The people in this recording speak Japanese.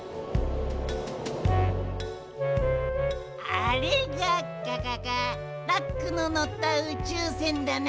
あれががががラックののったうちゅうせんだな？